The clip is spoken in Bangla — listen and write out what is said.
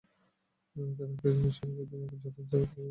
তবে একটা জিনিস সবার ক্ষেত্রেই এক, যতদিন যাবে আমরা তত শক্তিশালী হব।